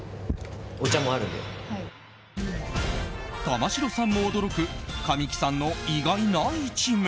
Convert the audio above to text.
玉城さんも驚く神木さんの意外な一面。